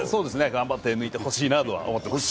頑張って抜いてほしいなとは思ってます。